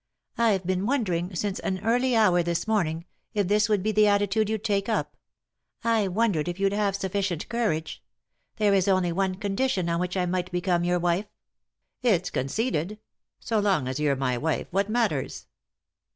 I've been wondering, since an early hour this morning, if this would be the attitude you'd take up ; I wondered if you'd have sufficient courage. There is only one condition on which I might become your wife." "It's conceded; so long as you're my wife, what matters?"